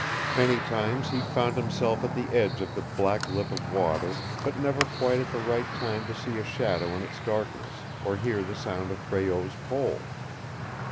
Many times he found himself at the edge of the black lip of water, but never quite at the right time to see a shadow in its darkness, or hear the sound of Breault's pole.